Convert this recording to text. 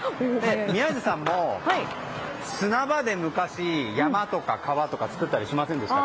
宮司さんも砂場で昔山とか川とか作ったりしませんでしたか？